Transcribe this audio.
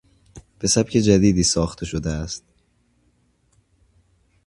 به سبک جدیدی ساخته شده است.